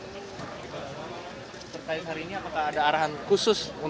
terkait hari ini apakah ada arahan khusus